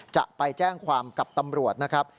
จะไปแจ้งความกับตำรวจนะครับ